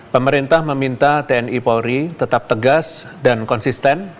pemerintah meminta tni polri tetap tegas dan konsisten